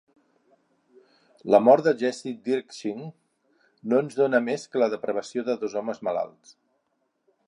La mort de Jesse Dirkhising no ens dóna més que la depravació de dos homes malalts.